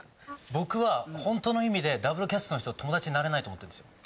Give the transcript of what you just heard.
僕は本当の意味でＷキャストの人と友達になれないと思ってるんですよ。